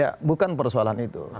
ya bukan persoalan itu